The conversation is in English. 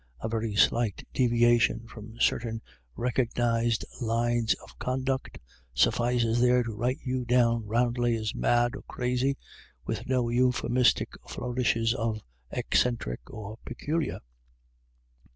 A very slight deviation from certain recognised lines of conduct suffices there to write you down roundly as mad or crazy, with no euphemistic flourishes of " eccen tric " or " peculiar."